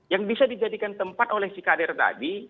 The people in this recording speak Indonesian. yang bisa dijadikan tempat oleh si kader tadi